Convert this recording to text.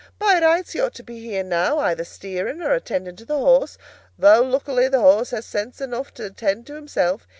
By rights he ought to be here now, either steering or attending to the horse, though luckily the horse has sense enough to attend to himself.